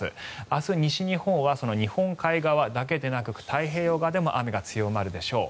明日、西日本は日本海側だけでなく太平洋側でも雨が強まるでしょう。